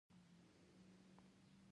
سومال خيل د خوست ولايت يوه ولسوالۍ ده